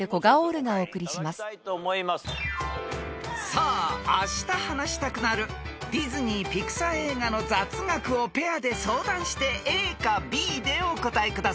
［さああした話したくなるディズニー・ピクサー映画の雑学をペアで相談してＡかＢでお答えください］